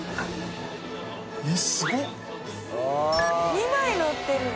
２枚乗ってる！